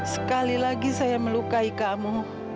sekali lagi saya melukai kamu